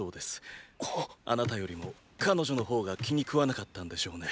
あなたよりも彼女の方が気に喰わなかったんでしょうね